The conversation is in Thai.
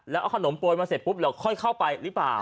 แล้วเอาขนมโปรยมาเสร็จปุ๊บแล้วค่อยเข้าไปหรือเปล่า